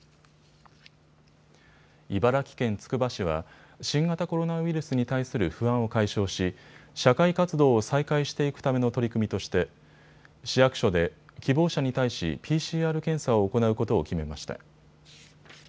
茨城県つくば市は新型コロナウイルスに対する不安を解消し社会活動を再開していくための取り組みとして市役所で希望者に対しＰＣＲ検査を行うことを決めました。